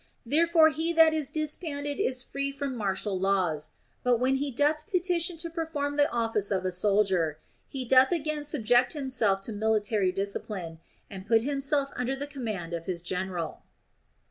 Therefore he that is disbanded. is freed from martial laws ; but when he doth petition to perform the office of a sol dier, he doth again subject himself to military discipline and put himself under the command of his general.